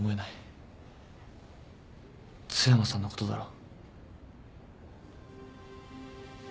津山さんのことだろ。